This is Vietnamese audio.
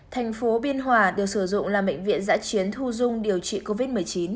thành phố biên hòa được sử dụng là bệnh viện giã chiến thu dung điều trị covid một mươi chín